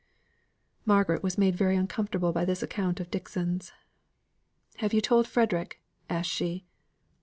Margaret was made very uncomfortable by this account of Dixon's. "Have you told Frederick?" asked she.